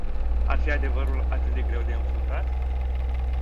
Ar fi adevărul atât de greu de înfruntat?